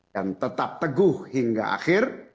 dan tetap teguh hingga akhir